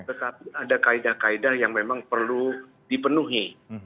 tetapi ada kaedah kaedah yang memang perlu dipenuhi